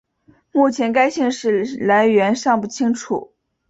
目前该姓氏来源尚不清楚。